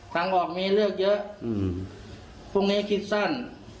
ทางออกมีเรื่องเยอะพวกนี้คิดสั้น